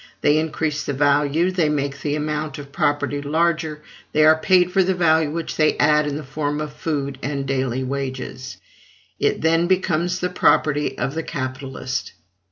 They increase the value, they make the amount of property larger; they are paid for the value which they add in the form of food and daily wages: it then becomes the property of the capitalist."